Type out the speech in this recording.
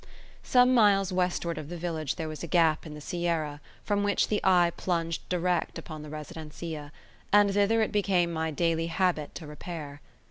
Some miles westward of the village there was a gap in the sierra, from which the eye plunged direct upon the residencia; and thither it became my daily habit to repair.